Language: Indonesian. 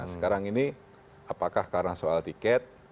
sekarang ini apakah karena soal tiket